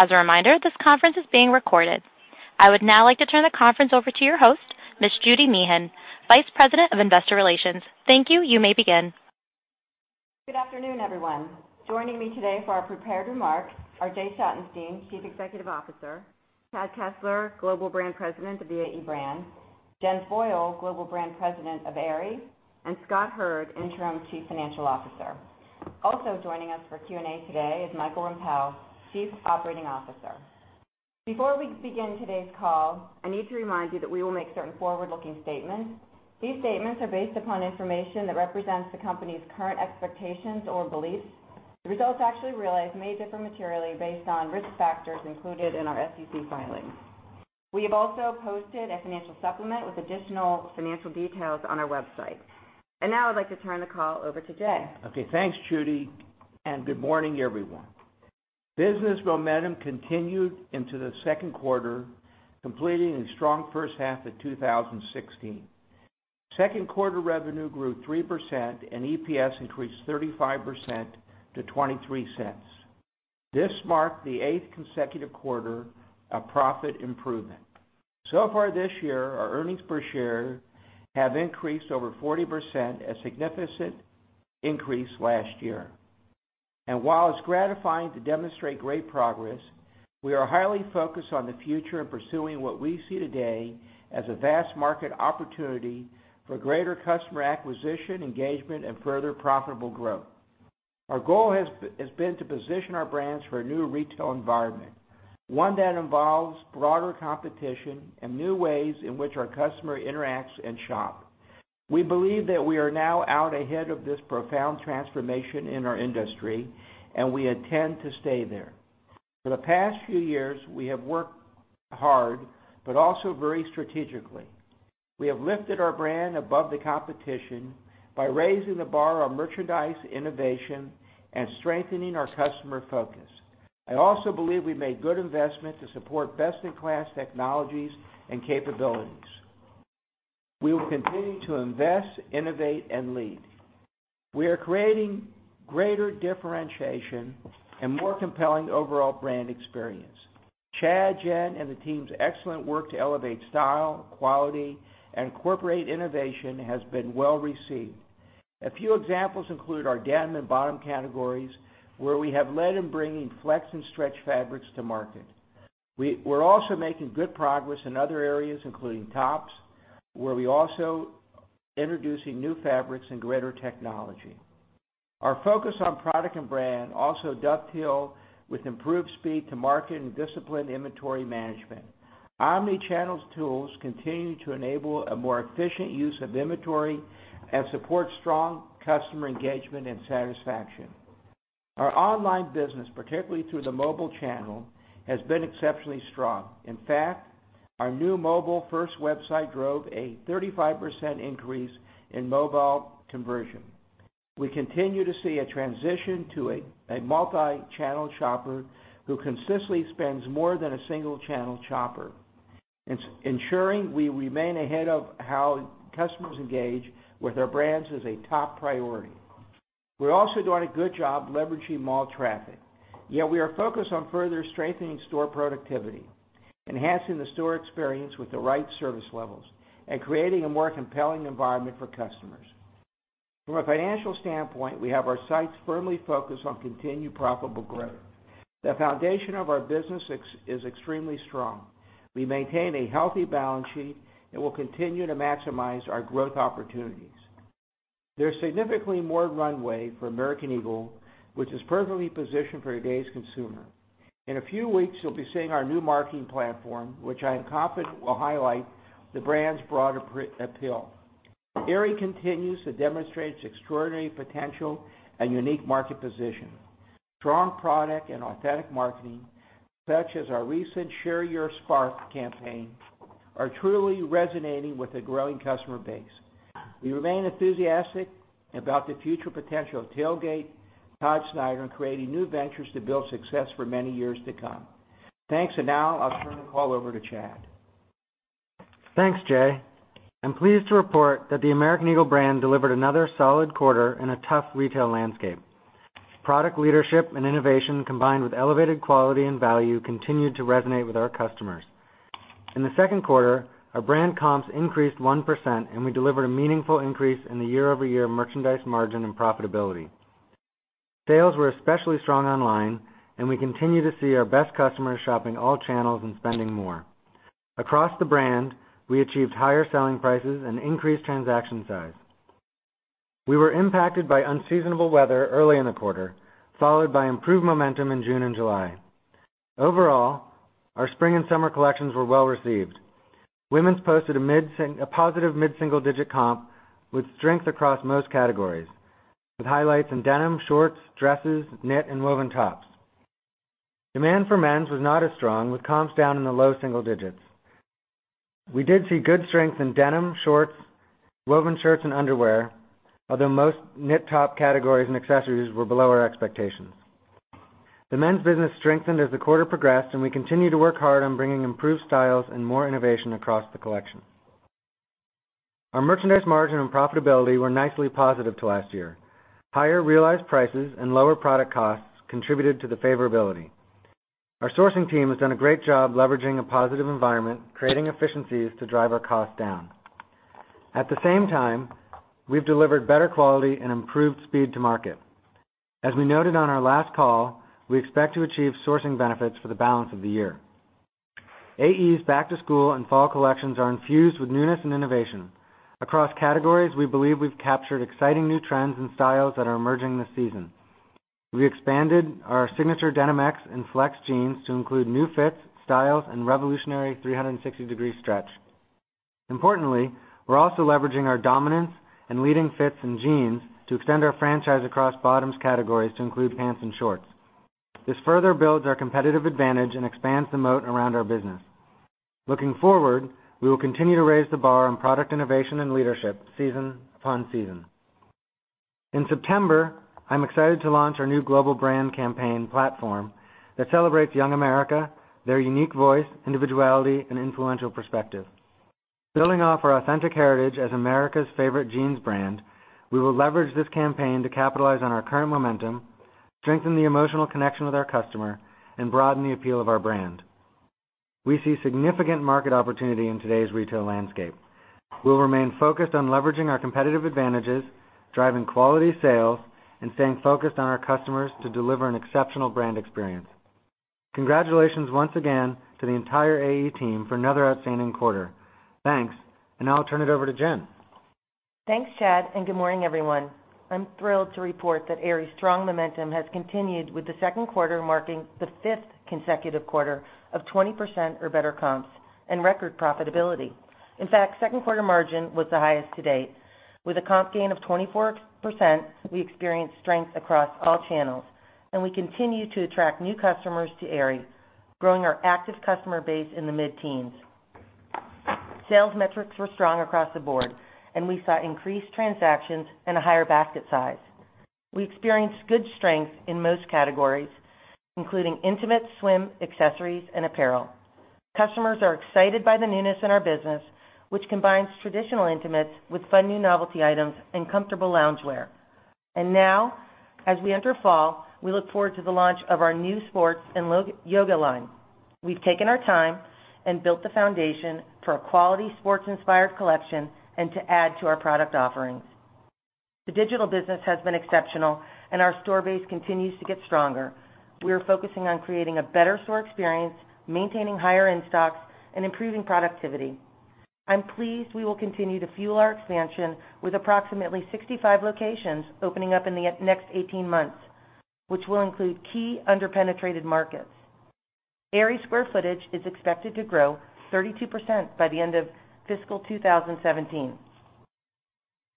As a reminder, this conference is being recorded. I would now like to turn the conference over to your host, Ms. Judy Meehan, Vice President of Investor Relations. Thank you. You may begin. Good afternoon, everyone. Joining me today for our prepared remarks are Jay Schottenstein, Chief Executive Officer, Chad Kessler, Global Brand President of Aerie brand, Jen Foyle, Global Brand President of Aerie, and Scott Hurd, Interim Chief Financial Officer. Also joining us for Q&A today is Michael Rempell, Chief Operating Officer. Before we begin today's call, I need to remind you that we will make certain forward-looking statements. These statements are based upon information that represents the company's current expectations or beliefs. The results actually realized may differ materially based on risk factors included in our SEC filings. We have also posted a financial supplement with additional financial details on our website. Now I'd like to turn the call over to Jay. Okay. Thanks, Judy, and good morning, everyone. Business momentum continued into the second quarter, completing a strong first half of 2016. Second quarter revenue grew 3% and EPS increased 35% to $0.23. This marked the eighth consecutive quarter of profit improvement. So far this year, our earnings per share have increased over 40%, a significant increase last year. While it's gratifying to demonstrate great progress, we are highly focused on the future and pursuing what we see today as a vast market opportunity for greater customer acquisition, engagement, and further profitable growth. Our goal has been to position our brands for a new retail environment, one that involves broader competition and new ways in which our customer interacts and shop. We believe that we are now out ahead of this profound transformation in our industry, and we intend to stay there. For the past few years, we have worked hard, but also very strategically. We have lifted our brand above the competition by raising the bar on merchandise innovation and strengthening our customer focus. I also believe we made good investments to support best-in-class technologies and capabilities. We will continue to invest, innovate, and lead. We are creating greater differentiation and more compelling overall brand experience. Chad, Jen, and the team's excellent work to elevate style, quality, and incorporate innovation has been well received. A few examples include our denim and bottom categories, where we have led in bringing flex and stretch fabrics to market. We're also making good progress in other areas, including tops, where we're also introducing new fabrics and greater technology. Our focus on product and brand also dovetail with improved speed to market and disciplined inventory management. Omnichannel's tools continue to enable a more efficient use of inventory and support strong customer engagement and satisfaction. Our online business, particularly through the mobile channel, has been exceptionally strong. In fact, our new mobile-first website drove a 35% increase in mobile conversion. We continue to see a transition to a multichannel shopper who consistently spends more than a single-channel shopper. Ensuring we remain ahead of how customers engage with our brands is a top priority. We're also doing a good job leveraging mall traffic. We are focused on further strengthening store productivity, enhancing the store experience with the right service levels, and creating a more compelling environment for customers. From a financial standpoint, we have our sights firmly focused on continued profitable growth. The foundation of our business is extremely strong. We maintain a healthy balance sheet and will continue to maximize our growth opportunities. There's significantly more runway for American Eagle, which is perfectly positioned for today's consumer. In a few weeks, you'll be seeing our new marketing platform, which I am confident will highlight the brand's broader appeal. Aerie continues to demonstrate its extraordinary potential and unique market position. Strong product and authentic marketing, such as our recent Share Your Spark campaign, are truly resonating with a growing customer base. We remain enthusiastic about the future potential of Tailgate, Todd Snyder, and creating new ventures to build success for many years to come. Thanks. Now I'll turn the call over to Chad. Thanks, Jay. I'm pleased to report that the American Eagle brand delivered another solid quarter in a tough retail landscape. Product leadership and innovation, combined with elevated quality and value, continued to resonate with our customers. In the second quarter, our brand comps increased 1% and we delivered a meaningful increase in the year-over-year merchandise margin and profitability. Sales were especially strong online, and we continue to see our best customers shopping all channels and spending more. Across the brand, we achieved higher selling prices and increased transaction size. We were impacted by unseasonable weather early in the quarter, followed by improved momentum in June and July. Overall, our spring and summer collections were well-received. Women's posted a positive mid-single digit comp with strength across most categories, with highlights in denim, shorts, dresses, knit, and woven tops. Demand for men's was not as strong, with comps down in the low single digits. We did see good strength in denim, shorts, woven shirts, and underwear, although most knit top categories and accessories were below our expectations. The men's business strengthened as the quarter progressed, and we continue to work hard on bringing improved styles and more innovation across the collection. Our merchandise margin and profitability were nicely positive to last year. Higher realized prices and lower product costs contributed to the favorability. Our sourcing team has done a great job leveraging a positive environment, creating efficiencies to drive our costs down. At the same time, we've delivered better quality and improved speed to market. As we noted on our last call, we expect to achieve sourcing benefits for the balance of the year. AE's back to school and fall collections are infused with newness and innovation. Across categories, we believe we've captured exciting new trends and styles that are emerging this season. We expanded our signature Denim X and Flex jeans to include new fits, styles, and revolutionary 360 degree stretch. Importantly, we're also leveraging our dominance in leading fits in jeans to extend our franchise across bottoms categories to include pants and shorts. This further builds our competitive advantage and expands the moat around our business. Looking forward, we will continue to raise the bar on product innovation and leadership season upon season. In September, I'm excited to launch our new global brand campaign platform that celebrates young America, their unique voice, individuality, and influential perspective. Building off our authentic heritage as America's favorite jeans brand, we will leverage this campaign to capitalize on our current momentum, strengthen the emotional connection with our customer, and broaden the appeal of our brand. We see significant market opportunity in today's retail landscape. We'll remain focused on leveraging our competitive advantages, driving quality sales, and staying focused on our customers to deliver an exceptional brand experience. Congratulations once again to the entire AE team for another outstanding quarter. Thanks. Now I'll turn it over to Jen. Thanks, Chad. Good morning, everyone. I'm thrilled to report that Aerie's strong momentum has continued, with the second quarter marking the fifth consecutive quarter of 20% or better comps and record profitability. In fact, second quarter margin was the highest to date. With a comp gain of 24%, we experienced strength across all channels. We continue to attract new customers to Aerie, growing our active customer base in the mid-teens. Sales metrics were strong across the board. We saw increased transactions and a higher basket size. We experienced good strength in most categories, including intimates, swim, accessories, and apparel. Customers are excited by the newness in our business, which combines traditional intimates with fun new novelty items and comfortable loungewear. Now, as we enter fall, we look forward to the launch of our new sports and yoga line. We've taken our time and built the foundation for a quality sports-inspired collection and to add to our product offerings. The digital business has been exceptional. Our store base continues to get stronger. We are focusing on creating a better store experience, maintaining higher in-stocks, and improving productivity. I'm pleased we will continue to fuel our expansion with approximately 65 locations opening up in the next 18 months, which will include key under-penetrated markets. Aerie square footage is expected to grow 32% by the end of fiscal 2017.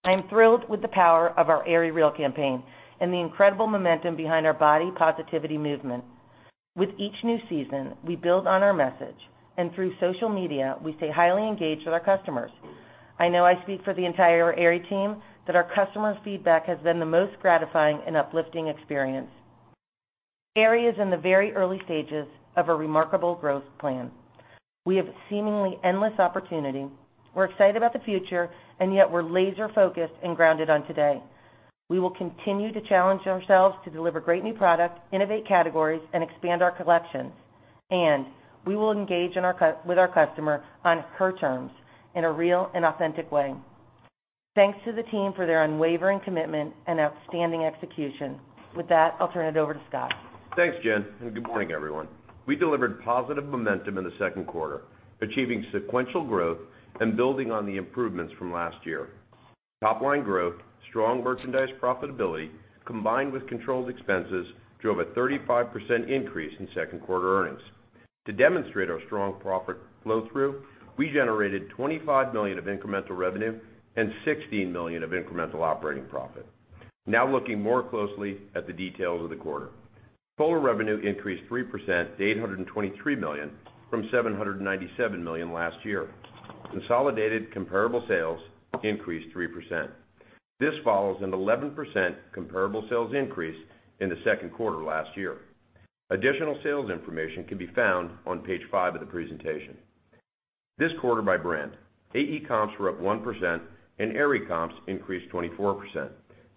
I am thrilled with the power of our #AerieREAL campaign and the incredible momentum behind our body positivity movement. With each new season, we build on our message. Through social media, we stay highly engaged with our customers. I know I speak for the entire Aerie team that our customers' feedback has been the most gratifying and uplifting experience. Aerie is in the very early stages of a remarkable growth plan. We have seemingly endless opportunity. We're excited about the future, and yet we're laser-focused and grounded on today. We will continue to challenge ourselves to deliver great new product, innovate categories, and expand our collections. We will engage with our customer on her terms in a real and authentic way. Thanks to the team for their unwavering commitment and outstanding execution. With that, I'll turn it over to Scott. Thanks, Jen, and good morning, everyone. We delivered positive momentum in the second quarter, achieving sequential growth and building on the improvements from last year. Top-line growth, strong merchandise profitability, combined with controlled expenses, drove a 35% increase in second quarter earnings. To demonstrate our strong profit flow-through, we generated $25 million of incremental revenue and $16 million of incremental operating profit. Looking more closely at the details of the quarter. Total revenue increased 3% to $823 million from $797 million last year. Consolidated comparable sales increased 3%. This follows an 11% comparable sales increase in the second quarter last year. Additional sales information can be found on page five of the presentation. This quarter by brand, AE comps were up 1% and Aerie comps increased 24%.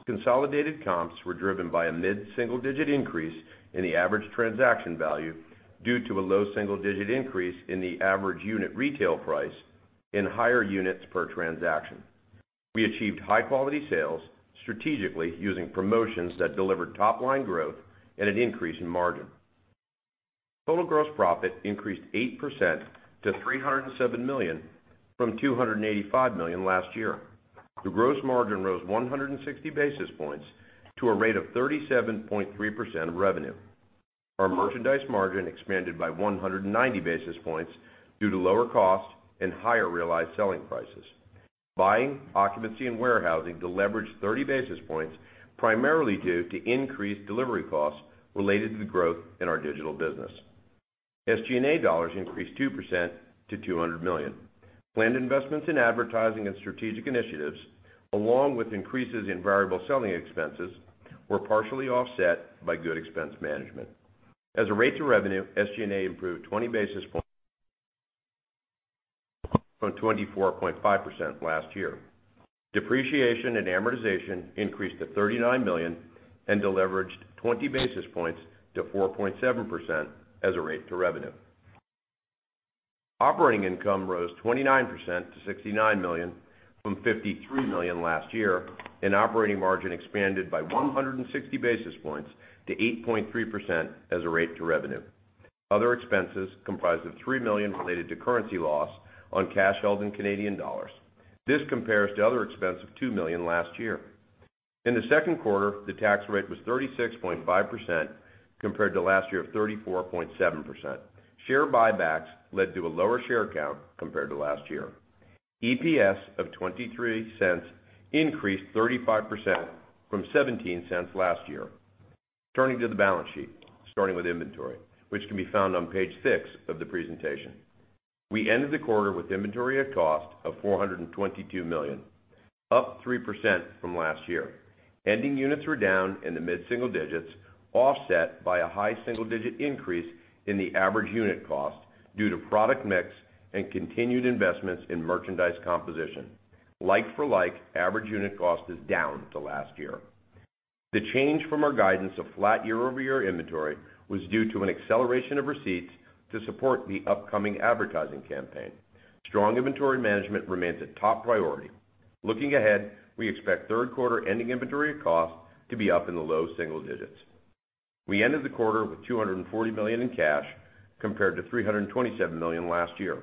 Consolidated comps were driven by a mid-single-digit increase in the average transaction value due to a low single-digit increase in the average unit retail price in higher units per transaction. We achieved high-quality sales strategically using promotions that delivered top-line growth and an increase in margin. Total gross profit increased 8% to $307 million from $285 million last year. The gross margin rose 160 basis points to a rate of 37.3% of revenue. Our merchandise margin expanded by 190 basis points due to lower cost and higher realized selling prices. Buying, occupancy, and warehousing deleveraged 30 basis points, primarily due to increased delivery costs related to the growth in our digital business. SG&A dollars increased 2% to $200 million. Planned investments in advertising and strategic initiatives, along with increases in variable selling expenses, were partially offset by good expense management. As a rate to revenue, SG&A improved 20 basis points from 24.5% last year. Depreciation and amortization increased to $39 million and deleveraged 20 basis points to 4.7% as a rate to revenue. Operating income rose 29% to $69 million from $53 million last year, and operating margin expanded by 160 basis points to 8.3% as a rate to revenue. Other expenses comprised of $3 million related to currency loss on cash held in Canadian dollars. This compares to other expense of $2 million last year. In the second quarter, the tax rate was 36.5% compared to last year of 34.7%. Share buybacks led to a lower share count compared to last year. EPS of $0.23 increased 35% from $0.17 last year. Turning to the balance sheet, starting with inventory, which can be found on page six of the presentation. We ended the quarter with inventory at cost of $422 million, up 3% from last year. Ending units were down in the mid-single digits, offset by a high single-digit increase in the average unit cost due to product mix and continued investments in merchandise composition. Like for like, average unit cost is down to last year. The change from our guidance of flat year-over-year inventory was due to an acceleration of receipts to support the upcoming advertising campaign. Strong inventory management remains a top priority. Looking ahead, we expect third quarter ending inventory of cost to be up in the low single digits. We ended the quarter with $240 million in cash compared to $327 million last year.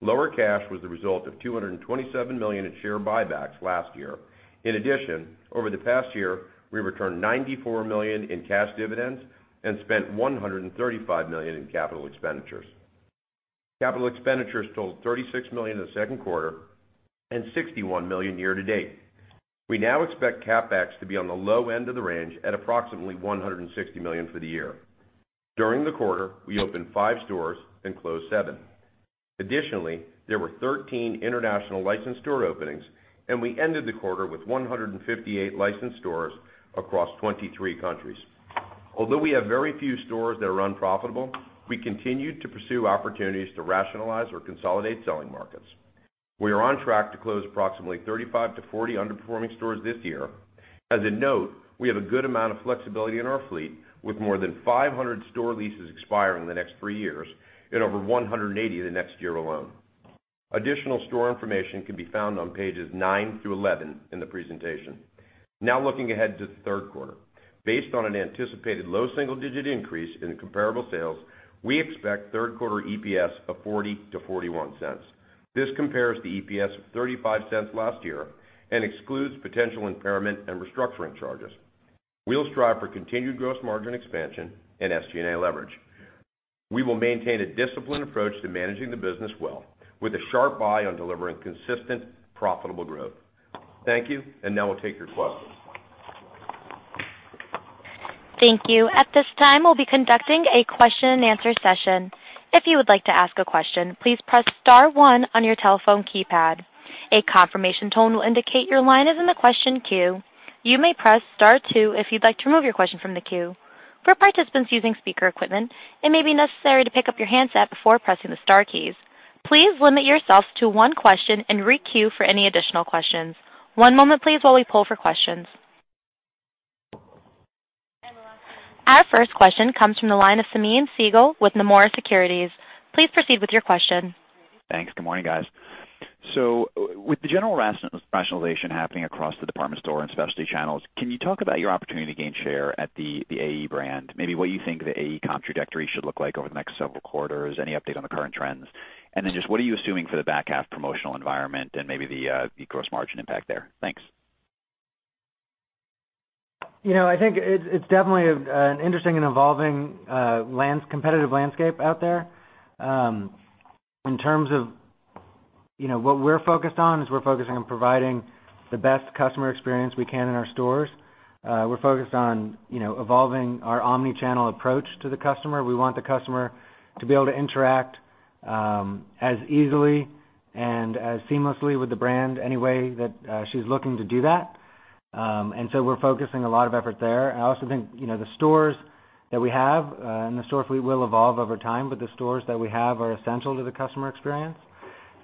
Lower cash was the result of $227 million in share buybacks last year. In addition, over the past year, we returned $94 million in cash dividends and spent $135 million in capital expenditures. Capital expenditures totaled $36 million in the second quarter and $61 million year to date. We now expect CapEx to be on the low end of the range at approximately $160 million for the year. During the quarter, we opened five stores and closed seven. Additionally, there were 13 international licensed store openings, and we ended the quarter with 158 licensed stores across 23 countries. Although we have very few stores that are unprofitable, we continue to pursue opportunities to rationalize or consolidate selling markets. We are on track to close approximately 35-40 underperforming stores this year. As a note, we have a good amount of flexibility in our fleet, with more than 500 store leases expiring in the next three years and over 180 in the next year alone. Additional store information can be found on pages nine through 11 in the presentation. Looking ahead to the third quarter. Based on an anticipated low single-digit increase in comparable sales, we expect third quarter EPS of $0.40-$0.41. This compares to EPS of $0.35 last year and excludes potential impairment and restructuring charges. We'll strive for continued gross margin expansion and SG&A leverage. We will maintain a disciplined approach to managing the business well with a sharp eye on delivering consistent, profitable growth. Thank you. Now we'll take your questions. Thank you. At this time, we'll be conducting a question and answer session. If you would like to ask a question, please press *1 on your telephone keypad. A confirmation tone will indicate your line is in the question queue. You may press *2 if you'd like to remove your question from the queue. For participants using speaker equipment, it may be necessary to pick up your handset before pressing the star keys. Please limit yourselves to one question and re-queue for any additional questions. One moment please while we pull for questions. Our first question comes from the line of Simeon Siegel with Nomura Securities. Please proceed with your question. Thanks. Good morning, guys. With the general rationalization happening across the department store and specialty channels, can you talk about your opportunity to gain share at the AE brand? Maybe what you think the AE comp trajectory should look like over the next several quarters. Any update on the current trends? Just what are you assuming for the back half promotional environment and maybe the gross margin impact there? Thanks. I think it's definitely an interesting and evolving competitive landscape out there. In terms of what we're focused on is we're focusing on providing the best customer experience we can in our stores. We're focused on evolving our omni-channel approach to the customer. We want the customer to be able to interact as easily and as seamlessly with the brand any way that she's looking to do that. We're focusing a lot of effort there. I also think the stores that we have, and the store fleet will evolve over time, but the stores that we have are essential to the customer experience.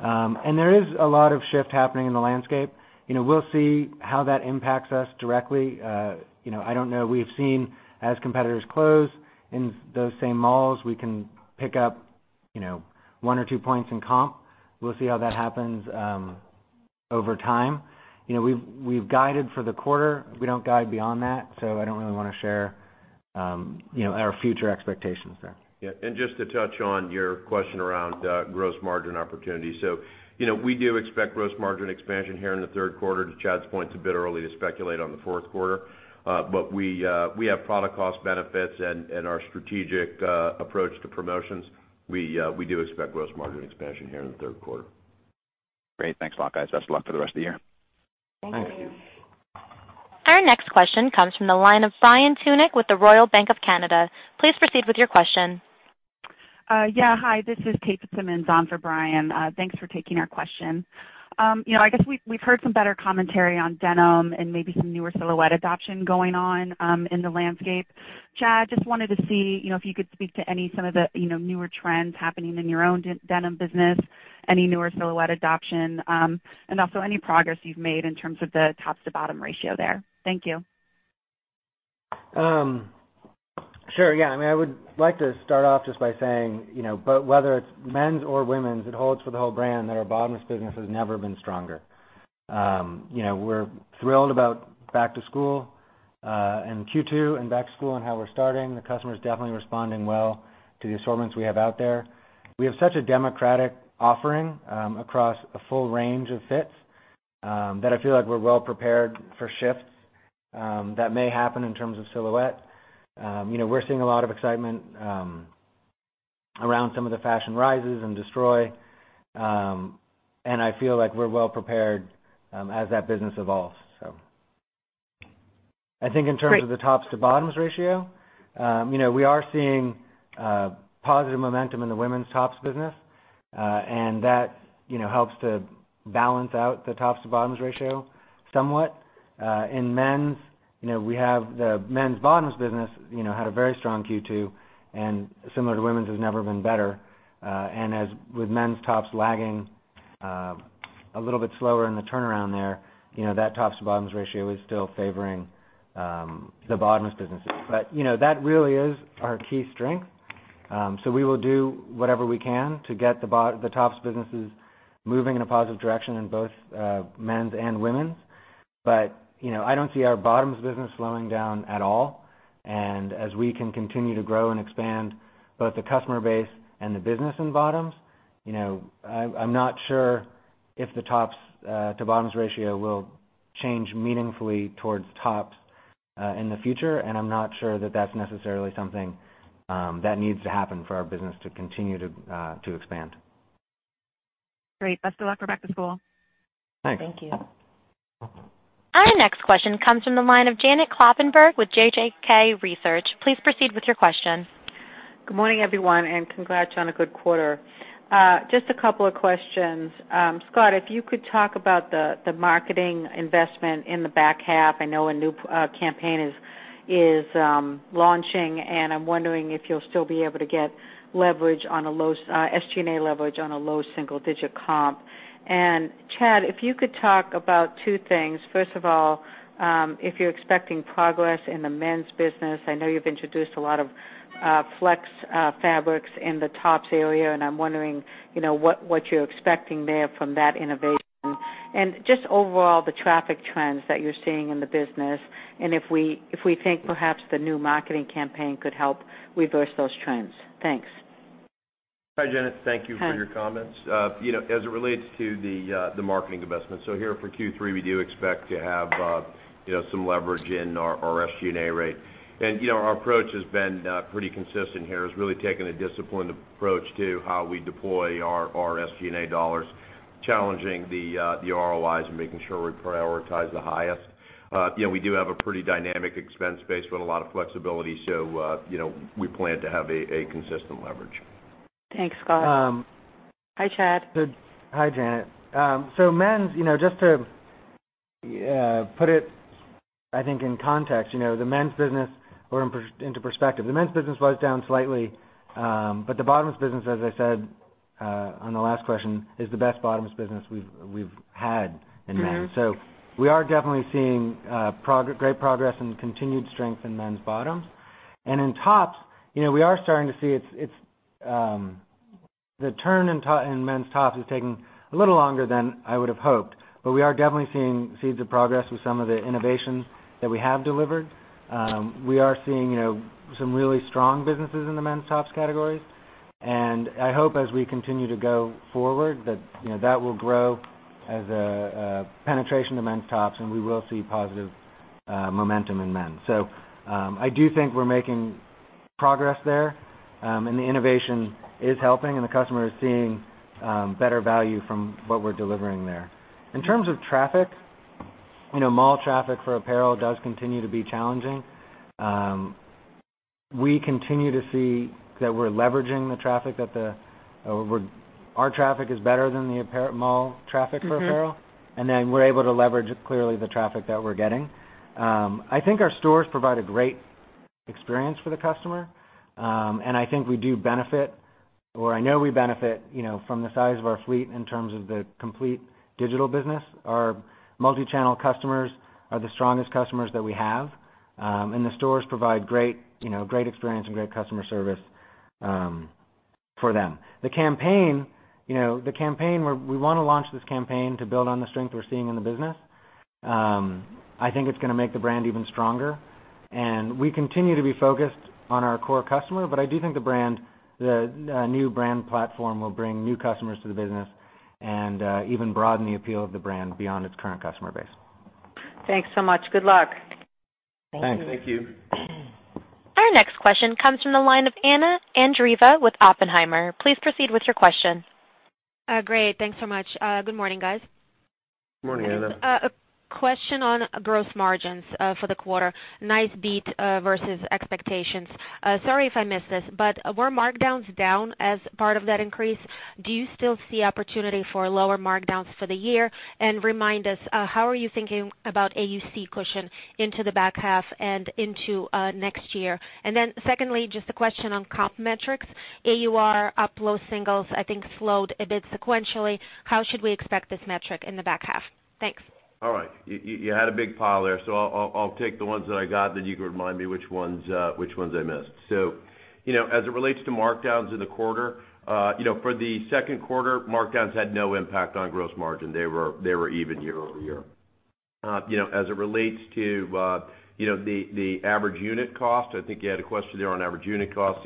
There is a lot of shift happening in the landscape. We'll see how that impacts us directly. I don't know. We've seen as competitors close in those same malls, we can pick up one or two points in comp. We'll see how that happens over time. We've guided for the quarter. We don't guide beyond that. I don't really want to share our future expectations there. Yeah, just to touch on your question around gross margin opportunity. We do expect gross margin expansion here in the third quarter. To Chad's point, it's a bit early to speculate on the fourth quarter. We have product cost benefits and our strategic approach to promotions. We do expect gross margin expansion here in the third quarter. Great. Thanks a lot, guys. Best of luck for the rest of the year. Thank you. Thank you. Our next question comes from the line of Brian Tunick with the Royal Bank of Canada. Please proceed with your question. Yeah. Hi, this is Kate Fitzsimons on for Brian Tunick. Thanks for taking our question. I guess we've heard some better commentary on denim and maybe some newer silhouette adoption going on in the landscape. Chad Kessler, just wanted to see if you could speak to some of the newer trends happening in your own denim business, any newer silhouette adoption, and also any progress you've made in terms of the tops to bottoms ratio there. Thank you. Sure. Yeah. I would like to start off just by saying, whether it's men's or women's, it holds for the whole brand that our bottoms business has never been stronger. We're thrilled about back to school and Q2 and back to school and how we're starting. The customer is definitely responding well to the assortments we have out there. We have such a democratic offering across a full range of fits that I feel like we're well prepared for shifts that may happen in terms of silhouette. We're seeing a lot of excitement around some of the fashion rises and destroy. I feel like we're well prepared as that business evolves. I think in terms of the tops to bottoms ratio, we are seeing positive momentum in the women's tops business. That helps to balance out the tops to bottoms ratio somewhat. In men's, the men's bottoms business had a very strong Q2, and similar to women's, has never been better. As with men's tops lagging a little bit slower in the turnaround there, that tops to bottoms ratio is still favoring the bottoms businesses. That really is our key strength. We will do whatever we can to get the tops businesses moving in a positive direction in both men's and women's. I don't see our bottoms business slowing down at all. As we can continue to grow and expand both the customer base and the business in bottoms, I'm not sure if the tops to bottoms ratio will change meaningfully towards tops in the future. I'm not sure that that's necessarily something that needs to happen for our business to continue to expand. Great. Best of luck for back to school. Thanks. Thank you. Our next question comes from the line of Janet Kloppenburg with JJK Research. Please proceed with your question. Good morning, everyone, and congrats on a good quarter. Just a couple of questions. Scott, if you could talk about the marketing investment in the back half. I know a new campaign is launching, and I'm wondering if you'll still be able to get SG&A leverage on a low single-digit comp. Chad, if you could talk about two things. First of all, if you're expecting progress in the men's business. I know you've introduced a lot of flex fabrics in the tops area, and I'm wondering what you're expecting there from that innovation. Just overall, the traffic trends that you're seeing in the business, and if we think perhaps the new marketing campaign could help reverse those trends. Thanks. Hi, Janet. Thank you for your comments. As it relates to the marketing investment. Here for Q3, we do expect to have some leverage in our SG&A rate. Our approach has been pretty consistent here, is really taking a disciplined approach to how we deploy our SG&A dollars, challenging the ROIs, and making sure we prioritize the highest. We do have a pretty dynamic expense base with a lot of flexibility. We plan to have a consistent leverage. Thanks, Scott. Hi, Chad. Hi, Janet. Men's, just to put it, I think, in context or into perspective. The men's business was down slightly. The bottoms business, as I said on the last question, is the best bottoms business we've had in men's. We are definitely seeing great progress and continued strength in men's bottoms. In tops, the turn in men's tops is taking a little longer than I would have hoped. We are definitely seeing seeds of progress with some of the innovations that we have delivered. We are seeing some really strong businesses in the men's tops categories. I hope as we continue to go forward, that will grow as a penetration to men's tops, and we will see positive momentum in men's. I do think we're making progress there. The innovation is helping, and the customer is seeing better value from what we're delivering there. In terms of traffic, mall traffic for apparel does continue to be challenging. We continue to see that we're leveraging the traffic. Our traffic is better than the mall traffic for apparel, then we're able to leverage clearly the traffic that we're getting. I think our stores provide a great experience for the customer, and I think we do benefit, or I know we benefit from the size of our fleet in terms of the complete digital business. Our multi-channel customers are the strongest customers that we have. The stores provide great experience and great customer service for them. The campaign, we want to launch this campaign to build on the strength we're seeing in the business. I think it's going to make the brand even stronger, and we continue to be focused on our core customer. I do think the new brand platform will bring new customers to the business and even broaden the appeal of the brand beyond its current customer base. Thanks so much. Good luck. Thanks. Thank you. Our next question comes from the line of Anna Andreeva with Oppenheimer. Please proceed with your question. Great. Thanks so much. Good morning, guys. Morning, Anna. A question on gross margins for the quarter. Nice beat versus expectations. Sorry if I missed this, but were markdowns down as part of that increase? Do you still see opportunity for lower markdowns for the year? Remind us, how are you thinking about AUC cushion into the back half and into next year? Secondly, just a question on comp metrics. AUR up low singles, I think slowed a bit sequentially. How should we expect this metric in the back half? Thanks. All right. You had a big pile there, so I'll take the ones that I got, then you can remind me which ones I missed. As it relates to markdowns in the quarter, for the second quarter, markdowns had no impact on gross margin. They were even year-over-year. As it relates to the average unit cost, I think you had a question there on average unit cost.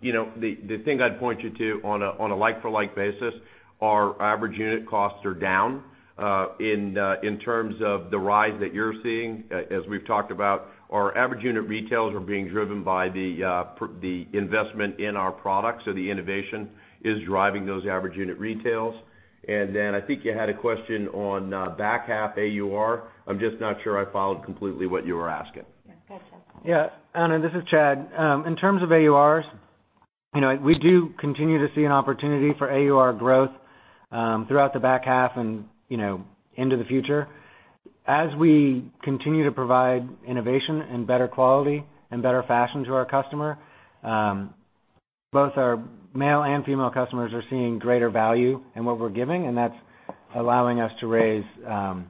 The thing I'd point you to on a like-for-like basis, our average unit costs are down. In terms of the rise that you're seeing, as we've talked about, our average unit retails are being driven by the investment in our products. The innovation is driving those average unit retails. I think you had a question on back half AUR. I'm just not sure I followed completely what you were asking. Yeah. Go ahead, Chad. Yeah. Anna, this is Chad. In terms of AURs, we do continue to see an opportunity for AUR growth throughout the back half and into the future. As we continue to provide innovation and better quality and better fashion to our customer, both our male and female customers are seeing greater value in what we're giving, and that's allowing us to raise the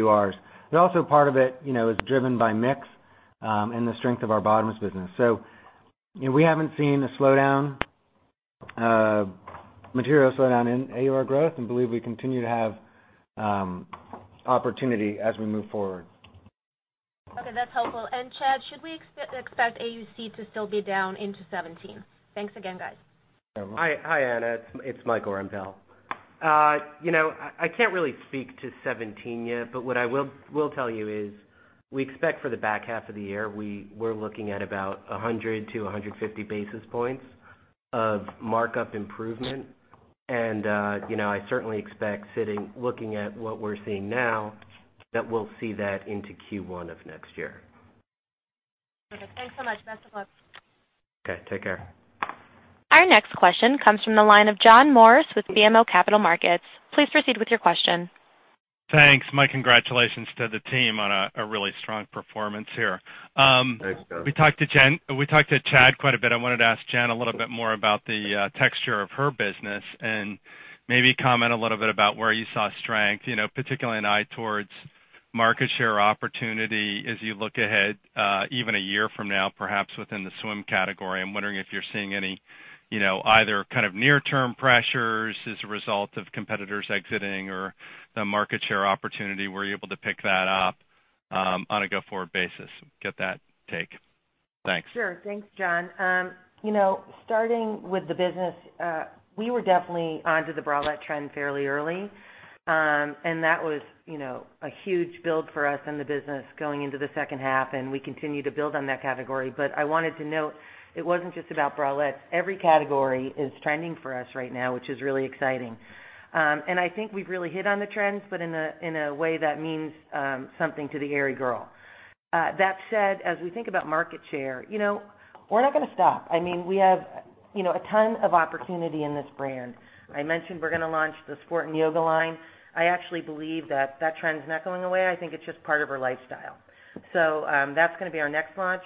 AURs. Also part of it is driven by mix, and the strength of our bottoms business. We haven't seen a material slowdown in AUR growth and believe we continue to have opportunity as we move forward. Okay. That's helpful. Chad, should we expect AUC to still be down into 2017? Thanks again, guys. Hi, Anna. It's Mike Rempell. I can't really speak to 2017 yet, but what I will tell you is, we expect for the back half of the year, we're looking at about 100 to 150 basis points of markup improvement. I certainly expect looking at what we're seeing now, that we'll see that into Q1 of next year. Okay. Thanks so much. Best of luck. Okay. Take care. Our next question comes from the line of John Morris with BMO Capital Markets. Please proceed with your question. Thanks. My congratulations to the team on a really strong performance here. Thanks, John. We talked to Chad quite a bit. I wanted to ask Jen a little bit more about the texture of her business and maybe comment a little bit about where you saw strength, particularly an eye towards market share opportunity as you look ahead, even a year from now, perhaps within the swim category. I'm wondering if you're seeing any either near-term pressures as a result of competitors exiting or the market share opportunity, were you able to pick that up on a go-forward basis, get that take. Thanks. Sure. Thanks, John. Starting with the business, we were definitely onto the bralette trend fairly early. That was a huge build for us in the business going into the second half, and we continue to build on that category. I wanted to note, it wasn't just about bralettes. Every category is trending for us right now, which is really exciting. I think we've really hit on the trends, but in a way that means something to the Aerie girl. That said, as we think about market share, we're not going to stop. We have a ton of opportunity in this brand. I mentioned we're going to launch the sport and yoga line. I actually believe that that trend is not going away. I think it's just part of our lifestyle. That's going to be our next launch.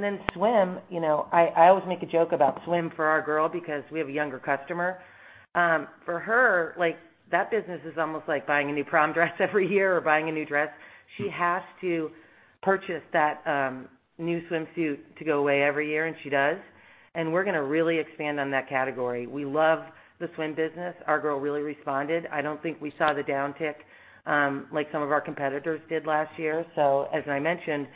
Then swim. I always make a joke about swim for our girl because we have a younger customer. For her, that business is almost like buying a new prom dress every year or buying a new dress. She has to purchase that new swimsuit to go away every year, and she does. We're going to really expand on that category. We love the swim business. Our girl really responded. I don't think we saw the downtick like some of our competitors did last year. As I mentioned,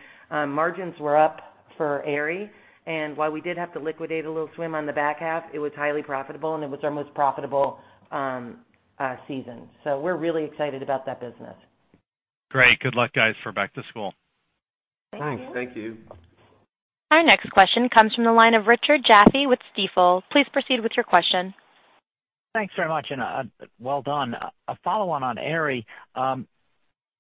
margins were up for Aerie, and while we did have to liquidate a little swim on the back half, it was highly profitable, and it was our most profitable season. We're really excited about that business. Great. Good luck, guys, for back to school. Thank you. Thanks. Thank you. Our next question comes from the line of Richard Jaffe with Stifel. Please proceed with your question. Thanks very much, and well done. A follow on Aerie.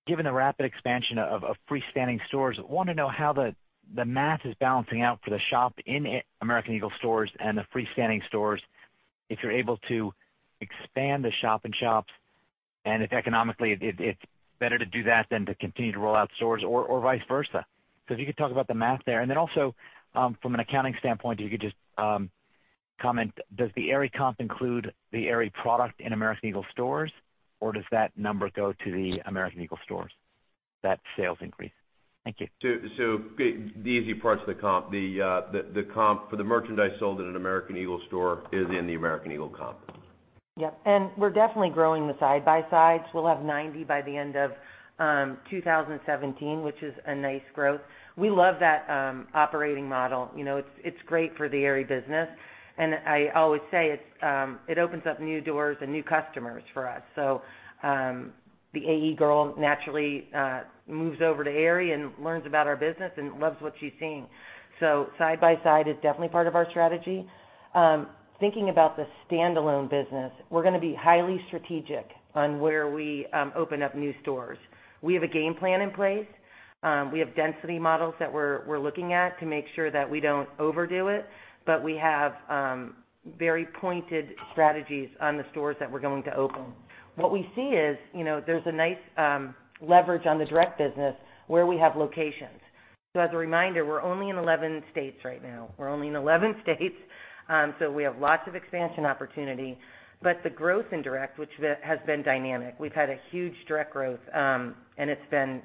Given the rapid expansion of freestanding stores, I want to know how the math is balancing out for the shop in American Eagle stores and the freestanding stores, if you're able to expand the shop in shops, and if economically it's better to do that than to continue to roll out stores or vice versa. If you could talk about the math there, and then also, from an accounting standpoint, you could just comment, does the Aerie comp include the Aerie product in American Eagle stores, or does that number go to the American Eagle stores, that sales increase? Thank you. The easy parts of the comp. The comp for the merchandise sold at an American Eagle store is in the American Eagle comp. Yep. We're definitely growing the side-by-sides. We'll have 90 by the end of 2017, which is a nice growth. We love that operating model. It's great for the Aerie business. I always say it opens up new doors and new customers for us. The AE girl naturally moves over to Aerie and learns about our business and loves what she's seeing. Side by side is definitely part of our strategy. Thinking about the standalone business, we're going to be highly strategic on where we open up new stores. We have a game plan in place. We have density models that we're looking at to make sure that we don't overdo it, but we have very pointed strategies on the stores that we're going to open. What we see is, there's a nice leverage on the direct business where we have locations. As a reminder, we're only in 11 states right now. We're only in 11 states so we have lots of expansion opportunity. The growth in direct, which has been dynamic, we've had a huge direct growth, and it's been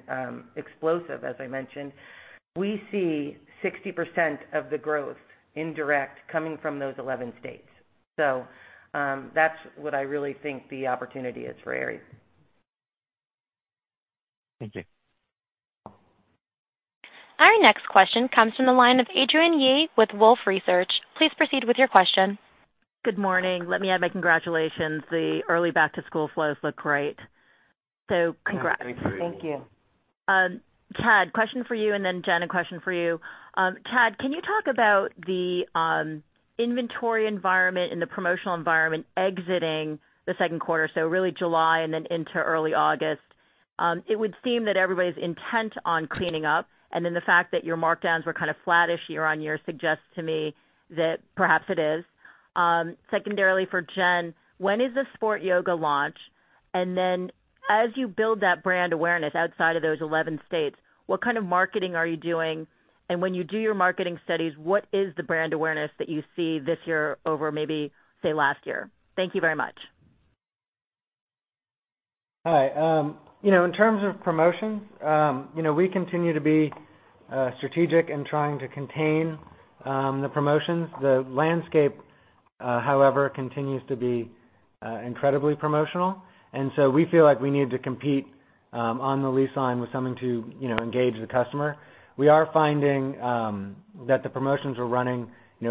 explosive, as I mentioned. We see 60% of the growth in direct coming from those 11 states. That's what I really think the opportunity is for Aerie. Thank you. Our next question comes from the line of Adrienne Yih with Wolfe Research. Please proceed with your question. Good morning. Let me add my congratulations. The early back-to-school flows look great. Congrats. Thank you. Thank you. Chad, question for you, and then Jen, a question for you. Chad, can you talk about the inventory environment and the promotional environment exiting the second quarter, so really July and then into early August? It would seem that everybody's intent on cleaning up, and then the fact that your markdowns were kind of flat-ish year-over-year suggests to me that perhaps it is. Secondarily, for Jen, when is the Sport Yoga launch? As you build that brand awareness outside of those 11 states, what kind of marketing are you doing? When you do your marketing studies, what is the brand awareness that you see this year over maybe, say, last year? Thank you very much. Hi. In terms of promotions, we continue to be strategic in trying to contain the promotions. The landscape, however, continues to be incredibly promotional, and so we feel like we need to compete on the lease line with something to engage the customer. We are finding that the promotions we're running,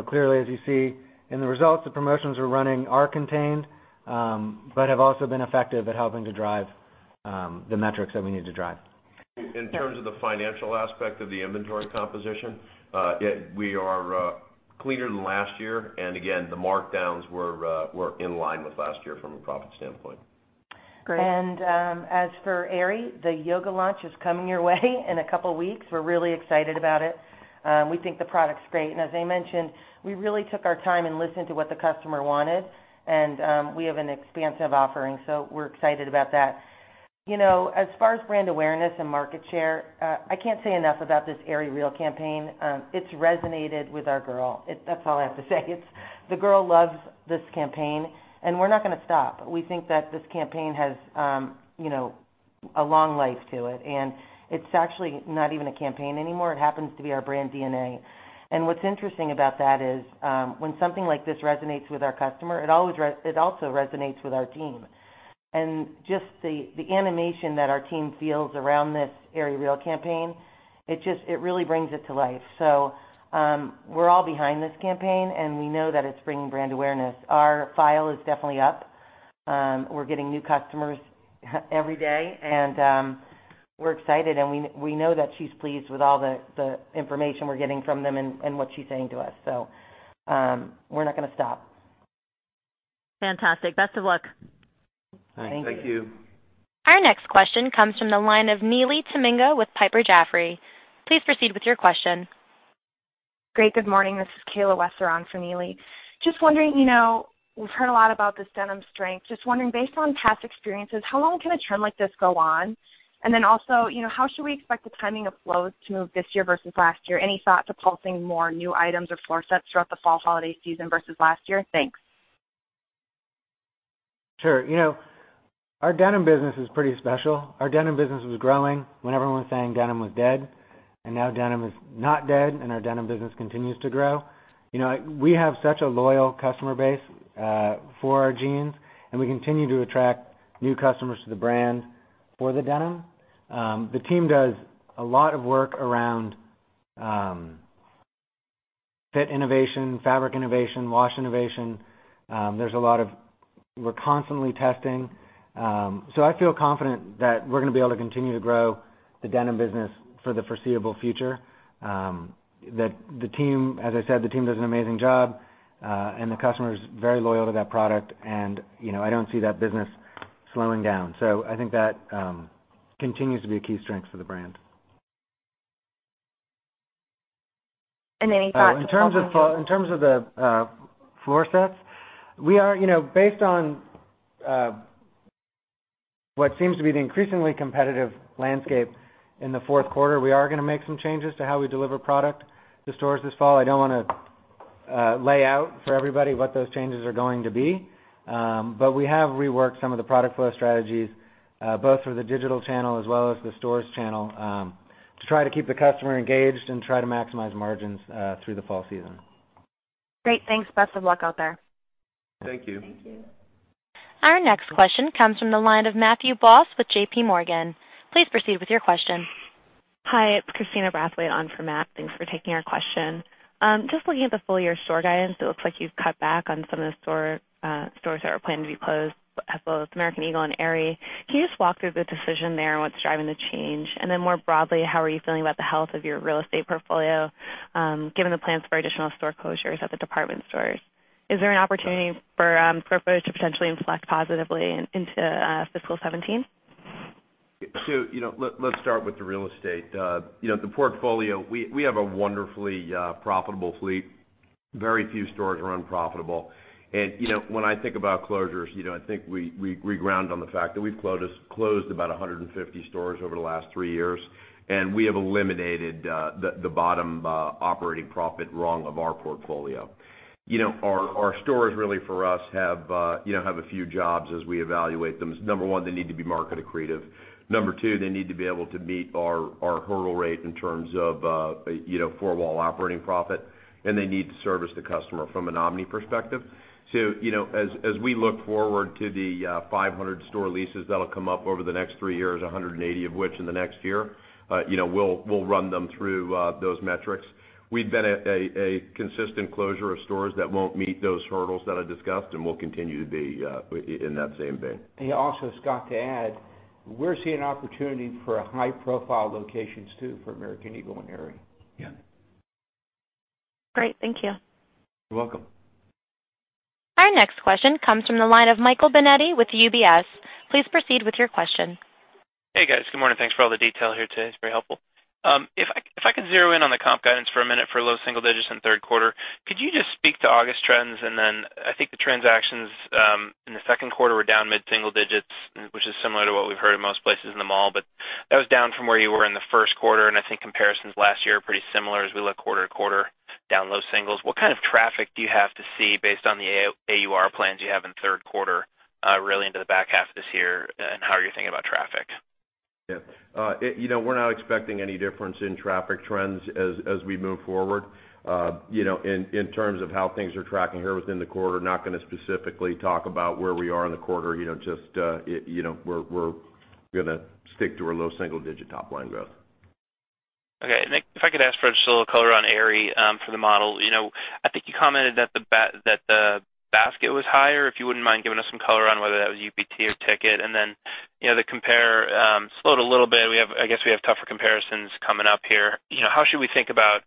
clearly as you see in the results, the promotions we're running are contained but have also been effective at helping to drive the metrics that we need to drive. In terms of the financial aspect of the inventory composition, we are cleaner than last year. Again, the markdowns were in line with last year from a profit standpoint. Great. As for Aerie, the Yoga launch is coming your way in a couple of weeks. We're really excited about it. We think the product's great. As I mentioned, we really took our time and listened to what the customer wanted, and we have an expansive offering, so we're excited about that. As far as brand awareness and market share, I can't say enough about this #AerieREAL campaign. It's resonated with our girl. That's all I have to say. The girl loves this campaign, and we're not gonna stop. We think that this campaign has a long life to it, and it's actually not even a campaign anymore. It happens to be our brand DNA. What's interesting about that is, when something like this resonates with our customer, it also resonates with our team. Just the animation that our team feels around this #AerieREAL campaign, it really brings it to life. We're all behind this campaign, we know that it's bringing brand awareness. Our file is definitely up. We're getting new customers every day, we're excited, we know that she's pleased with all the information we're getting from them and what she's saying to us. We're not gonna stop. Fantastic. Best of luck. Thanks. Thank you. Our next question comes from the line of Neely Tamminga with Piper Jaffray. Please proceed with your question. Great. Good morning. This is Kayla Wesser around for Neely. Just wondering, we've heard a lot about this denim strength. Just wondering, based on past experiences, how long can a trend like this go on? Also, how should we expect the timing of flows to move this year versus last year? Any thought to pulsing more new items or floor sets throughout the fall holiday season versus last year? Thanks. Sure. Our denim business is pretty special. Our denim business was growing when everyone was saying denim was dead. Now denim is not dead, our denim business continues to grow. We have such a loyal customer base for our jeans. We continue to attract new customers to the brand for the denim. The team does a lot of work around fit innovation, fabric innovation, wash innovation. We're constantly testing. I feel confident that we're gonna be able to continue to grow the denim business for the foreseeable future. As I said, the team does an amazing job, the customer is very loyal to that product. I don't see that business slowing down. I think that continues to be a key strength for the brand. Any thoughts on- In terms of the floor sets, based on what seems to be the increasingly competitive landscape in the fourth quarter, we are gonna make some changes to how we deliver product to stores this fall. I don't wanna lay out for everybody what those changes are going to be. We have reworked some of the product flow strategies, both for the digital channel as well as the stores channel, to try to keep the customer engaged and try to maximize margins through the fall season. Great. Thanks. Best of luck out there. Thank you. Thank you. Our next question comes from the line of Matthew Boss with JPMorgan. Please proceed with your question. Hi, it's Christina Brathwaite on for Matt. Thanks for taking our question. Just looking at the full year store guidance, it looks like you've cut back on some of the stores that were planned to be closed at both American Eagle and Aerie. Can you just walk through the decision there and what's driving the change? More broadly, how are you feeling about the health of your real estate portfolio, given the plans for additional store closures at the department stores? Is there an opportunity for Aerie to potentially inflect positively into fiscal 2017? Sue, let's start with the real estate. The portfolio, we have a wonderfully profitable fleet. Very few stores are unprofitable. When I think about closures, I think we ground on the fact that we've closed about 150 stores over the last three years, and we have eliminated the bottom operating profit rung of our portfolio. Our stores really for us have a few jobs as we evaluate them. Number 1, they need to be market accretive. Number 2, they need to be able to meet our hurdle rate in terms of four-wall operating profit, and they need to service the customer from an omni perspective. As we look forward to the 500 store leases that'll come up over the next three years, 180 of which in the next year, we'll run them through those metrics. We've been at a consistent closure of stores that won't meet those hurdles that I discussed, we'll continue to be in that same vein. Also, Scott, to add, we're seeing opportunity for high-profile locations too, for American Eagle and Aerie. Yeah. Great. Thank you. You're welcome. Our next question comes from the line of Michael Binetti with UBS. Please proceed with your question. Hey, guys. Good morning. Thanks for all the detail here today. It's very helpful. If I could zero in on the comp guidance for a minute for low single digits in the third quarter, could you just speak to August trends? I think the transactions in the second quarter were down mid-single digits, which is similar to what we've heard in most places in the mall, but that was down from where you were in the first quarter, and I think comparisons last year are pretty similar as we look quarter-to-quarter, down low singles. What kind of traffic do you have to see based on the AUR plans you have in the third quarter really into the back half of this year, and how are you thinking about traffic? Yeah. We're not expecting any difference in traffic trends as we move forward. In terms of how things are tracking here within the quarter, not going to specifically talk about where we are in the quarter. We're going to stick to our low single-digit top line growth. Okay. If I could ask for just a little color on Aerie for the model. I think you commented that the basket was higher. If you wouldn't mind giving us some color on whether that was UPT or ticket. The compare slowed a little bit. I guess we have tougher comparisons coming up here. How should we think about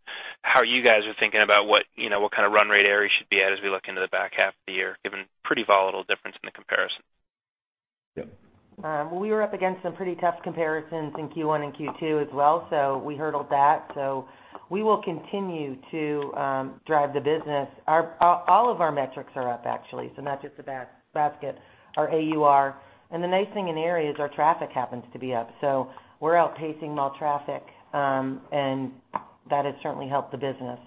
how you guys are thinking about what kind of run rate Aerie should be at as we look into the back half of the year, given pretty volatile difference in the comparison? Yeah. We were up against some pretty tough comparisons in Q1 and Q2 as well, so we hurdled that. We will continue to drive the business. All of our metrics are up actually, so not just the basket. Our AUR, and the nice thing in Aerie is our traffic happens to be up. We're outpacing mall traffic, and that has certainly helped the business.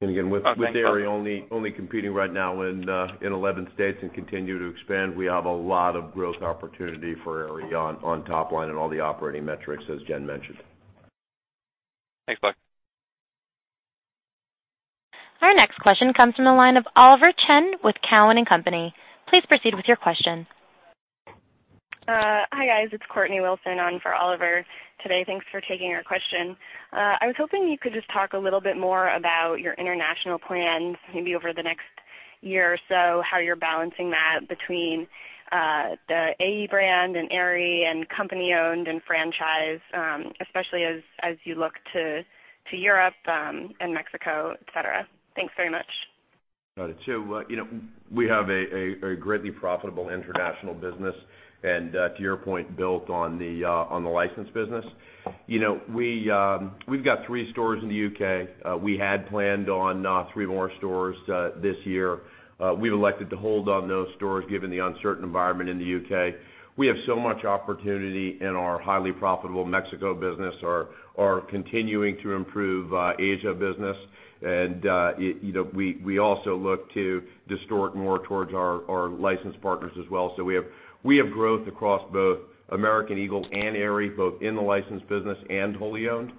Again, with Aerie only competing right now in 11 states and continue to expand, we have a lot of growth opportunity for Aerie on top line and all the operating metrics, as Jen mentioned. Thanks, guys. Our next question comes from the line of Oliver Chen with Cowen and Company. Please proceed with your question. Hi, guys. It's Courtney Wilson on for Oliver today. Thanks for taking our question. I was hoping you could just talk a little bit more about your international plans, maybe over the next year or so, how you're balancing that between the AE brand and Aerie and company-owned and franchise, especially as you look to Europe and Mexico, et cetera. Thanks very much. Got it. Sue. We have a greatly profitable international business, and to your point, built on the license business. We've got three stores in the U.K. We had planned on three more stores this year. We've elected to hold on those stores given the uncertain environment in the U.K. We have so much opportunity in our highly profitable Mexico business. Our continuing to improve Asia business. We also look to distort more towards our license partners as well. We have growth across both American Eagle and Aerie, both in the licensed business and wholly owned.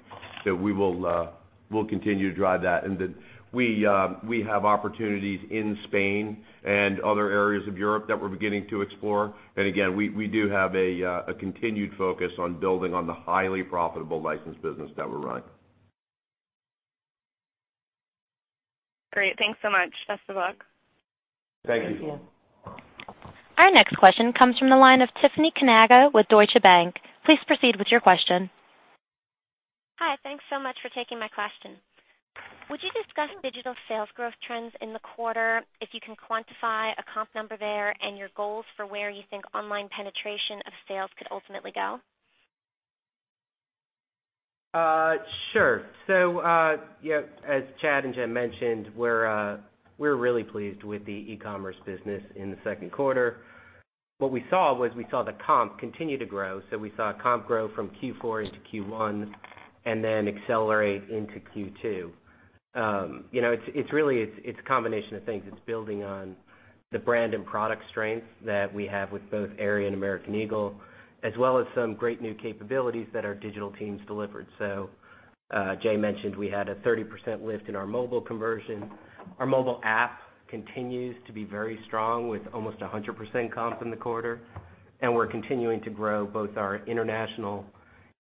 We'll continue to drive that. We have opportunities in Spain and other areas of Europe that we're beginning to explore. Again, we do have a continued focus on building on the highly profitable licensed business that we run. Great. Thanks so much. Best of luck. Thank you. Thank you. Our next question comes from the line of Tiffany Kanaga with Deutsche Bank. Please proceed with your question. Hi. Thanks so much for taking my question. Would you discuss digital sales growth trends in the quarter, if you can quantify a comp number there and your goals for where you think online penetration of sales could ultimately go? Sure. As Chad and Jen mentioned, we're really pleased with the e-commerce business in the second quarter. What we saw was we saw the comp continue to grow. We saw comp grow from Q4 into Q1 and then accelerate into Q2. It's a combination of things. It's building on the brand and product strength that we have with both Aerie and American Eagle, as well as some great new capabilities that our digital teams delivered. Jay mentioned we had a 30% lift in our mobile conversion. Our mobile app continues to be very strong with almost 100% comp in the quarter. We're continuing to grow both our international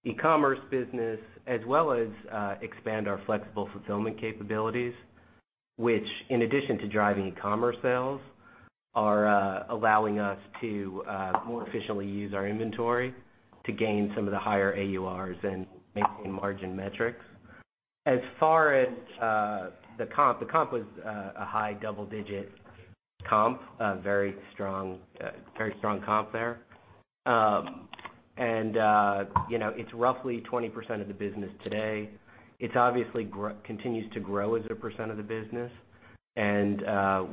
e-commerce business as well as expand our flexible fulfillment capabilities, which in addition to driving e-commerce sales Are allowing us to more efficiently use our inventory to gain some of the higher AURs and maintain margin metrics. As far as the comp, the comp was a high double-digit comp, a very strong comp there. It's roughly 20% of the business today. It obviously continues to grow as a percent of the business, and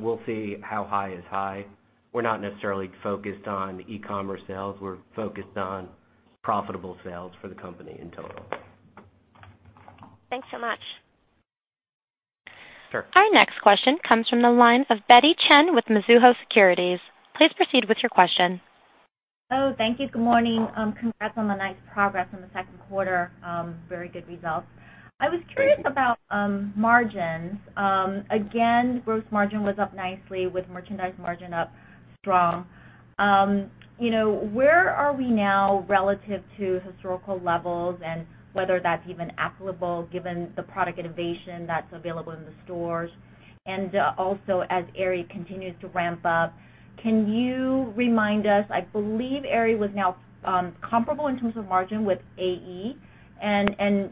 we'll see how high is high. We're not necessarily focused on e-commerce sales. We're focused on profitable sales for the company in total. Thanks so much. Sure. Our next question comes from the line of Betty Chen with Mizuho Securities. Please proceed with your question. Thank you. Good morning. Congrats on the nice progress in the second quarter. Very good results. I was curious about margins. Gross margin was up nicely with merchandise margin up strong. Where are we now relative to historical levels and whether that's even applicable given the product innovation that's available in the stores? As Aerie continues to ramp up, can you remind us, I believe Aerie was now comparable in terms of margin with AE and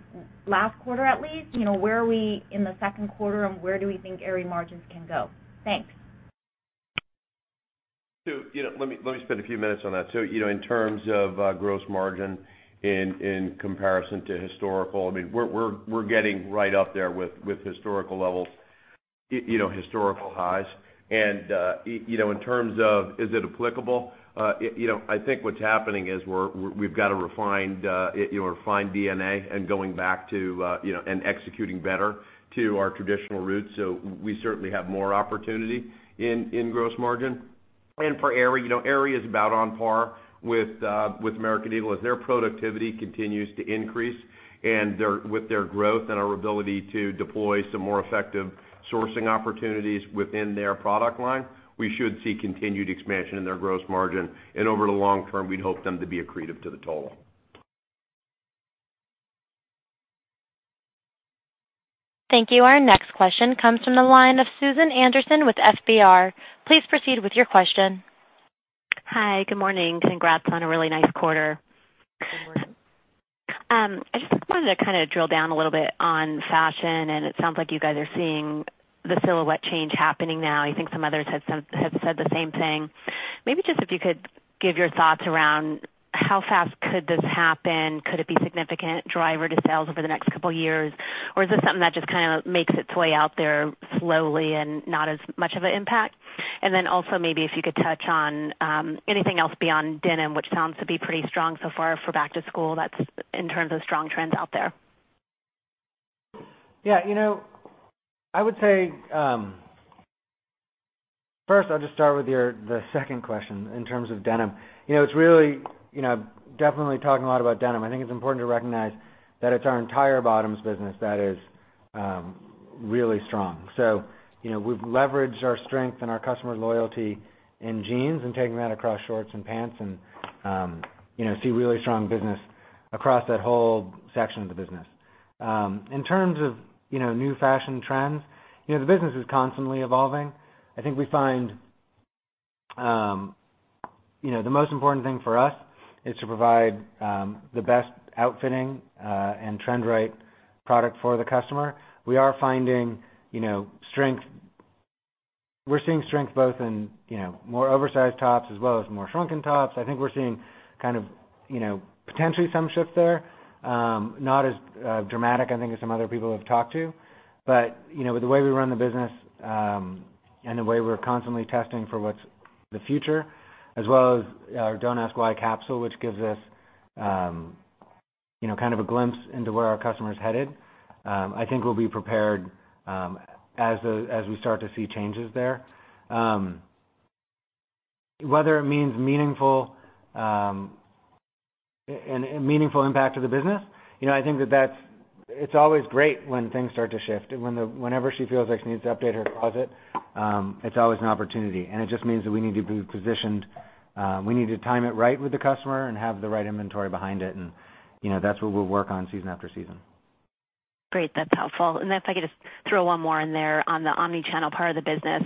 last quarter, at least. Where are we in the second quarter, and where do we think Aerie margins can go? Thanks. Let me spend a few minutes on that. In terms of gross margin in comparison to historical, we're getting right up there with historical levels, historical highs. In terms of is it applicable, I think what's happening is we've got a refined DNA and going back to and executing better to our traditional roots. We certainly have more opportunity in gross margin. For Aerie is about on par with American Eagle. As their productivity continues to increase with their growth and our ability to deploy some more effective sourcing opportunities within their product line, we should see continued expansion in their gross margin. Over the long term, we'd hope them to be accretive to the total. Thank you. Our next question comes from the line of Susan Anderson with FBR. Please proceed with your question. Hi. Good morning. Congrats on a really nice quarter. Good morning. I just wanted to kind of drill down a little bit on fashion. It sounds like you guys are seeing the silhouette change happening now. I think some others have said the same thing. Maybe just if you could give your thoughts around how fast could this happen. Could it be significant driver to sales over the next couple of years? Or is this something that just kind of makes its way out there slowly and not as much of an impact? Then also maybe if you could touch on anything else beyond denim, which sounds to be pretty strong so far for back to school, that's in terms of strong trends out there. Yeah. I would say, first I'll just start with the second question in terms of denim. It's really definitely talking a lot about denim. I think it's important to recognize that it's our entire bottoms business that is really strong. We've leveraged our strength and our customer loyalty in jeans and taking that across shorts and pants and see really strong business across that whole section of the business. In terms of new fashion trends, the business is constantly evolving. I think we find the most important thing for us is to provide the best outfitting and trend-right product for the customer. We're seeing strength both in more oversized tops as well as more shrunken tops. I think we're seeing kind of potentially some shifts there. Not as dramatic, I think, as some other people we've talked to. With the way we run the business and the way we're constantly testing for what's the future as well as our Don't Ask Why capsule, which gives us kind of a glimpse into where our customer's headed. I think we'll be prepared as we start to see changes there. Whether it means a meaningful impact to the business, I think that it's always great when things start to shift and whenever she feels like she needs to update her closet, it's always an opportunity, and it just means that we need to be positioned. We need to time it right with the customer and have the right inventory behind it, and that's what we'll work on season after season. Great. That's helpful. If I could just throw one more in there on the omnichannel part of the business.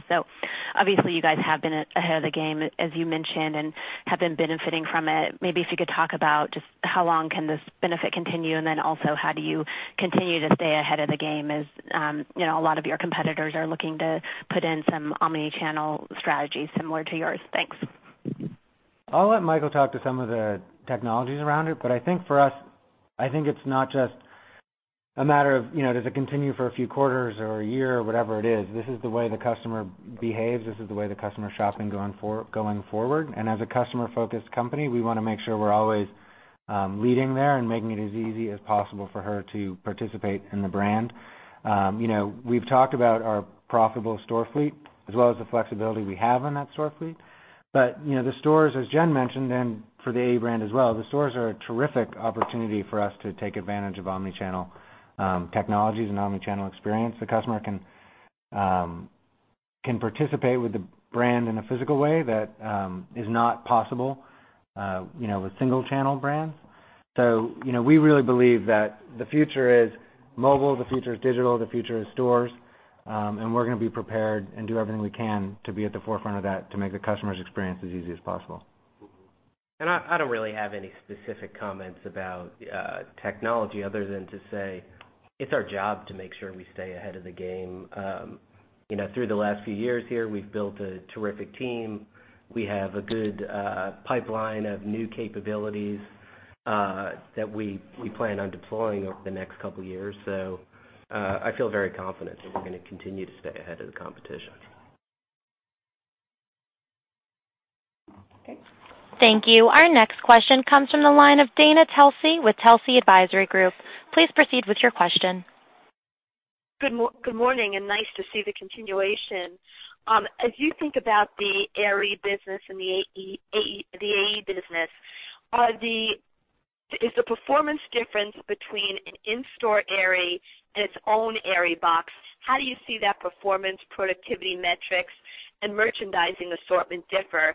Obviously you guys have been ahead of the game, as you mentioned, and have been benefiting from it. Maybe if you could talk about just how long can this benefit continue, and then also how do you continue to stay ahead of the game as a lot of your competitors are looking to put in some omnichannel strategies similar to yours. Thanks. I'll let Michael talk to some of the technologies around it, but I think for us, I think it's not just a matter of, does it continue for a few quarters or a year or whatever it is. This is the way the customer behaves. This is the way the customer shops going forward. As a customer-focused company, we want to make sure we're always leading there and making it as easy as possible for her to participate in the brand. We've talked about our profitable store fleet as well as the flexibility we have on that store fleet. The stores, as Jen mentioned, and for the AE brand as well, the stores are a terrific opportunity for us to take advantage of omnichannel technologies and omnichannel experience. The customer can participate with the brand in a physical way that is not possible with single-channel brands. We really believe that the future is mobile, the future is digital, the future is stores, and we're going to be prepared and do everything we can to be at the forefront of that to make the customer's experience as easy as possible. I don't really have any specific comments about technology other than to say it's our job to make sure we stay ahead of the game. Through the last few years here, we've built a terrific team. We have a good pipeline of new capabilities that we plan on deploying over the next couple of years. I feel very confident that we're going to continue to stay ahead of the competition. Okay. Thank you. Our next question comes from the line of Dana Telsey with Telsey Advisory Group. Please proceed with your question. Good morning. Nice to see the continuation. As you think about the Aerie business and the AE business, is the performance difference between an in-store Aerie and its own Aerie box, how do you see that performance, productivity metrics, and merchandising assortment differ?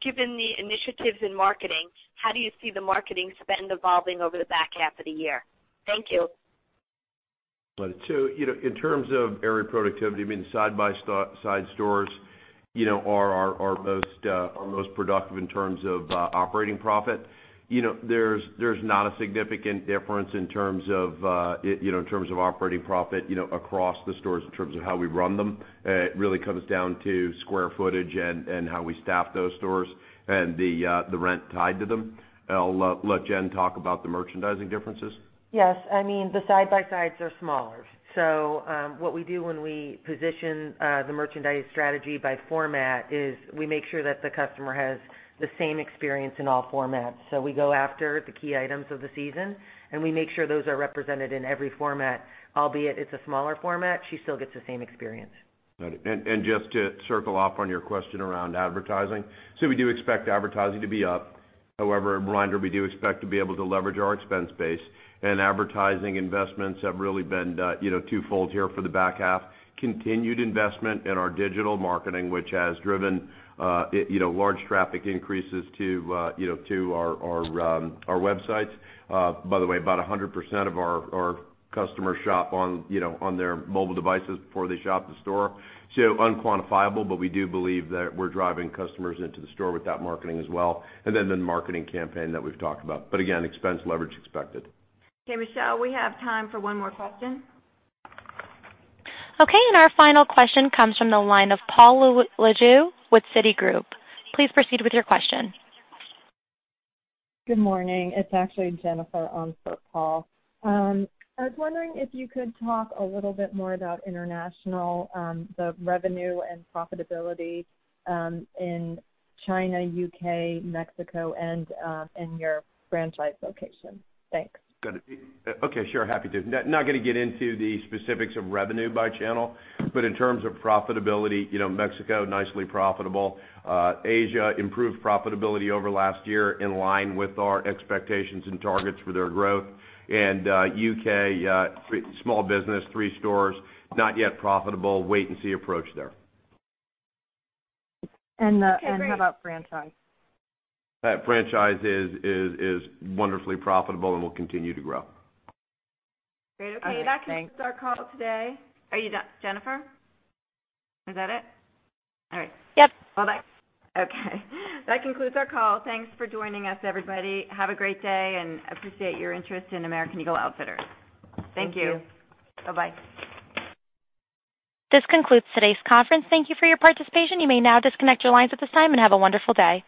Given the initiatives in marketing, how do you see the marketing spend evolving over the back half of the year? Thank you. In terms of Aerie productivity, side-by-side stores are our most productive in terms of operating profit. There's not a significant difference in terms of operating profit across the stores in terms of how we run them. It really comes down to square footage and how we staff those stores and the rent tied to them. I'll let Jen talk about the merchandising differences. Yes. The side-by-sides are smaller. What we do when we position the merchandise strategy by format is we make sure that the customer has the same experience in all formats. We go after the key items of the season, and we make sure those are represented in every format, albeit it's a smaller format, she still gets the same experience. Got it. Just to circle off on your question around advertising. We do expect advertising to be up. However, reminder, we do expect to be able to leverage our expense base, and advertising investments have really been twofold here for the back half. Continued investment in our digital marketing, which has driven large traffic increases to our websites. By the way, about 100% of our customers shop on their mobile devices before they shop the store. Unquantifiable, but we do believe that we're driving customers into the store with that marketing as well. Then the marketing campaign that we've talked about. Again, expense leverage expected. Okay, Michelle, we have time for one more question. Okay. Our final question comes from the line of Paul Lejuez with Citigroup. Please proceed with your question. Good morning. It's actually Jennifer on for Paul. I was wondering if you could talk a little bit more about international, the revenue and profitability, in China, U.K., Mexico, and your franchise locations. Thanks. Got it. Okay, sure, happy to. Not going to get into the specifics of revenue by channel, but in terms of profitability, Mexico, nicely profitable. Asia, improved profitability over last year, in line with our expectations and targets for their growth. U.K., small business, three stores, not yet profitable. Wait and see approach there. How about franchise? Franchise is wonderfully profitable and will continue to grow. Great. Okay. Okay, thanks. That concludes our call today. Are you done, Jen? Is that it? All right. Yep. Okay. That concludes our call. Thanks for joining us, everybody. Have a great day and appreciate your interest in American Eagle Outfitters. Thank you. Thank you. Bye-bye. This concludes today's conference. Thank you for your participation. You may now disconnect your lines at this time, and have a wonderful day.